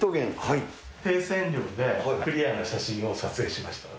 低線量でクリアな写真を撮影します。